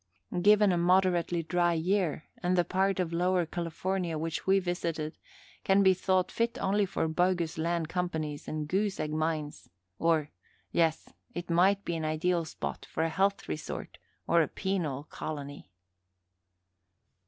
Given a moderately dry year, and the part of Lower California which we visited can be thought fit only for bogus land companies and goose egg mines; or, yes, it might be an ideal spot for a health resort or a penal colony.